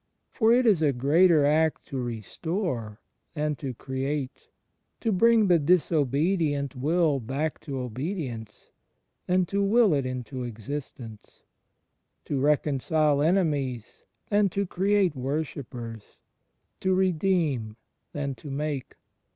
For it is a greater act to restore than to create, to bring the dis obedient will back to obedience than to will it into existence, to reconcile enemies than to create wor shippers, to redeem than to make.